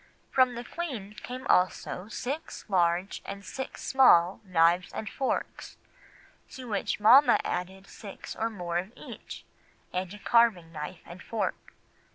From the Queen came also six large and six small knives and forks, to which mamma added six more of each, and a carving knife and fork.